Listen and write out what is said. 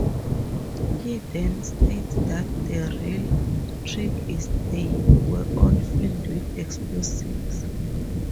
He then states that the "real" trick is they were all filled with explosives.